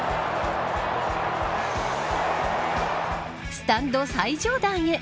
スタンド最上段へ。